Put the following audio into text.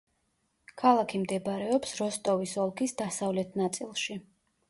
ქალაქი მდებარეობს როსტოვის ოლქის დასავლეთ ნაწილში.